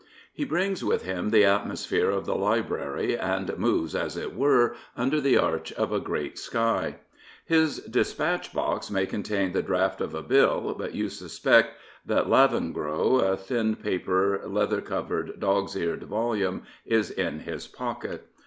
He brings with him the atmosphere of the library, and moves, as it were, under the arch of a great sky. His dispatch box may contain the draft of a Bill, but you suspect that Lavengro, a thin papcr, leather covered, dog's eared volume, is in his pocket.